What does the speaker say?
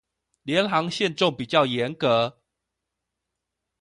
廉航限重比較嚴格